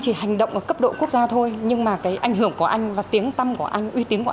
chỉ hành động ở cấp độ quốc gia thôi nhưng mà cái ảnh hưởng của anh và tiếng tâm của anh uy tín của